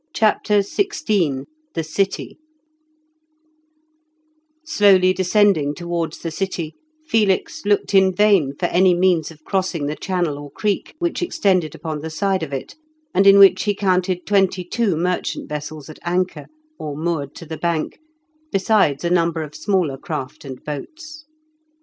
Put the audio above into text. CHAPTER XVI THE CITY Slowly descending towards the city, Felix looked in vain for any means of crossing the channel or creek, which extended upon the side of it, and in which he counted twenty two merchant vessels at anchor, or moored to the bank, besides a number of smaller craft and boats.